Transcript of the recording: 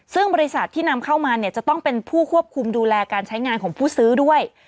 ซึ่งบริษัทที่นำเข้ามาเนี่ยจะต้องเป็นผู้ควบคุมดูแลการใช้งานของผู้ซื้อด้วย